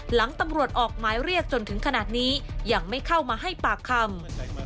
หลังตำรวจออกหมายเรียกจนถึงขนาดนี้ยังไม่เข้ามาให้ปากคำ